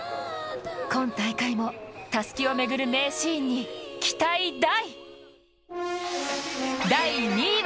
今大会もたすきを巡る名シーンに期待大。